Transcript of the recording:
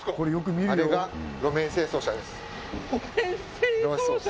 あれが路面清掃車？